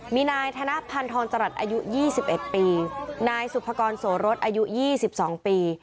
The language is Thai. มีนายธนพันธรจรัสอายุ๒๑ปีนายสุภกรโสรสอายุ๒๒ปี